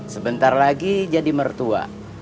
sebentar lagi jadi mertua